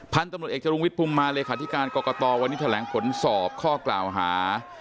พันธุ์ตำรวจเอกจรุงวิทยภูมิมาเลขาธิการกรกตวันนี้แถลงผลสอบข้อกล่าวหา